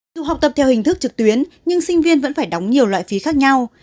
dù học tập theo hình thức trực tuyến nhưng sinh viên vẫn phải đóng nhiều loại phí khác nhau